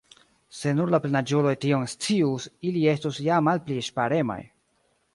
Se nur la plenaĝuloj tion_ scius, ili estus ja malpli ŝparemaj.